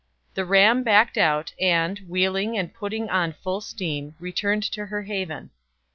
The ram backed out, and, wheeling and putting on full steam, returned to her haven.